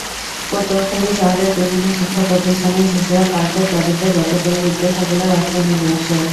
পটুয়াখালী শহরের বিভিন্ন শিক্ষাপ্রতিষ্ঠানের শিশুরা পার্কের দাবিতে গতকাল বুধবার সকালে রাস্তায় নেমে আসে।